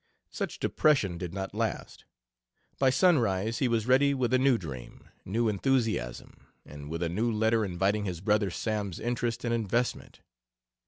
Such depression did not last; by sunrise he was ready with a new dream, new enthusiasm, and with a new letter inviting his "brother Sam's" interest and investment.